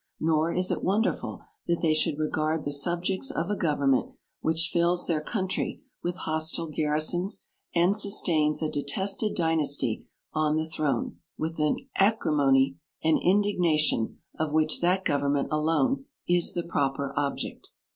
Nor is it wonderful that they should regard the subjects of a government which fills their country with hostile garrisons, 87 and sustains a detested dynasty on the throne, with an acrimony and indigna tion of which that government alone is the proper object.